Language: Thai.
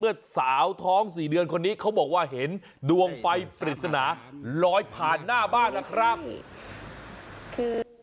สาวท้องสี่เดือนคนนี้เขาบอกว่าเห็นดวงไฟปริศนาลอยผ่านหน้าบ้านนะครับคือ